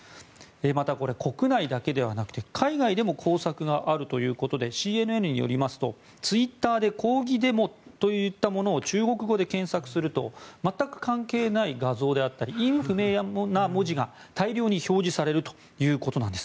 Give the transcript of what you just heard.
また、国内だけではなくて海外でも工作があるということでＣＮＮによりますとツイッターで抗議デモといったものを中国語で検索すると全く関係ない画像であったり意味不明な文字が大量に表示されるということなんです。